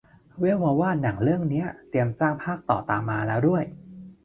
แว่วมาว่าหนังเรื่องนี้เตรียมสร้างภาคต่อตามมาแล้วด้วย